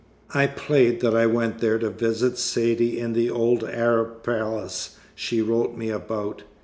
I played that I went there to visit Saidee in the old Arab palace she wrote me about.